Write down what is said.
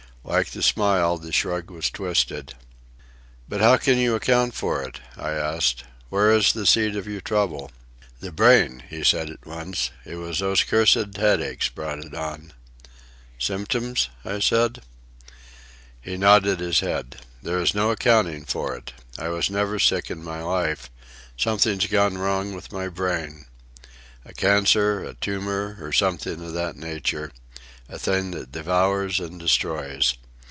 Like the smile, the shrug was twisted. "But how can you account for it?" I asked. "Where is the seat of your trouble?" "The brain," he said at once. "It was those cursed headaches brought it on." "Symptoms," I said. He nodded his head. "There is no accounting for it. I was never sick in my life. Something's gone wrong with my brain. A cancer, a tumour, or something of that nature,—a thing that devours and destroys.